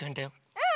うん！